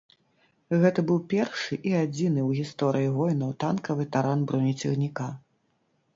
Гэта быў першы і адзіны ў гісторыі войнаў танкавы таран бронецягніка.